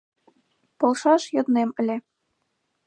Полшаш йоднем ыле.